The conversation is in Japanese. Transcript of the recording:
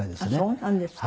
そうなんですか。